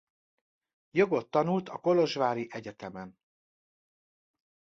Jogot tanult a kolozsvári egyetemen.